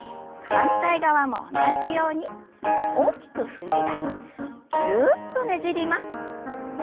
反対側も同じように大きく踏み出してぎゅっとねじります。